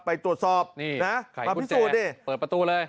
ไปตรวจสอบมาพิสูจน์ดิไข่กุเจเปิดประตูเลย